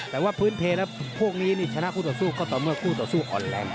แต่ว่าพื้นเพลแล้วพวกนี้นี่ชนะคู่ต่อสู้ก็ต่อเมื่อคู่ต่อสู้อ่อนแรง